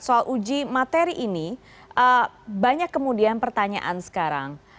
soal uji materi ini banyak kemudian pertanyaan sekarang